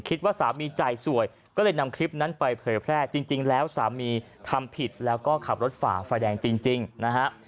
คิดว่าสามีจ่ายสวยก็เลยนำคลิปนั้นไปเผยแพร่จริงแล้วสามีทำผิดแล้วก็ขับรถฝ่าไฟแดงจริงนะฮะ